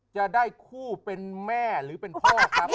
จะได้คู่เป็นแม่หรือเป็นพ่อครับ